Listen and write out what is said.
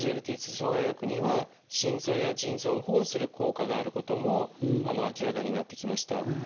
２阻害薬には心臓や腎臓を保護する効果があることも明らかになってきました。